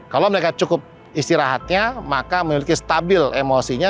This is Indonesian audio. kalau mereka cukup istirahatnya maka memiliki stabil emosinya